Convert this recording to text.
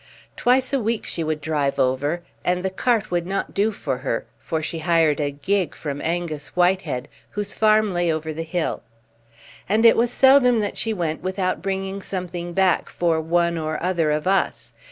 Twice a week she would drive over, and the cart would not do for her, for she hired a gig from Angus Whitehead, whose farm lay over the hill. And it was seldom that she went without bringing something back for one or other of us.